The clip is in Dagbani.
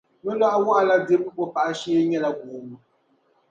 Nolɔɣu wahala dibu o paɣa shee nyɛla guubu.